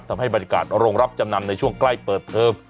ทำให้บรรยากาศโรงรับจำนำในช่วงใกล้เปิดเทอม